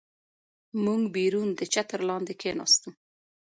موږ بیرون د چتر لاندې کېناستو.